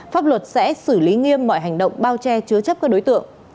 pháp luật sẽ xử lý nghiêm mọi hành động bao che chứa chấp các đối tượng